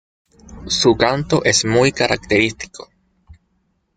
Su canto es muy característico.